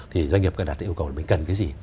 thì doanh nghiệp cần đặt yêu cầu là mình cần cái gì